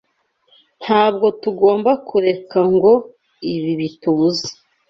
Ntabwo tugomba kureka ngo ibi bitubuze.